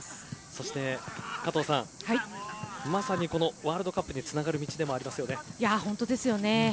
そして、加藤さんまさにワールドカップにつながる本当ですよね。